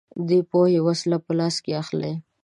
دی پوهې وسله په لاس اخلي